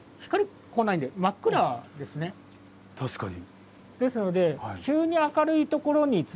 確かに。